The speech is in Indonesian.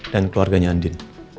dan keluarganya andin